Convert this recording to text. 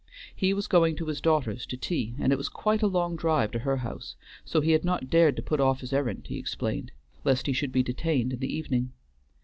He was going to his daughter's to tea, and it was quite a long drive to her house, so he had not dared to put off his errand, he explained, lest he should be detained in the evening.